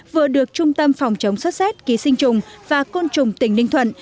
vừa được trung tâm phòng chống sốt xét ký sinh trùng và côn trùng tỉnh ninh thuận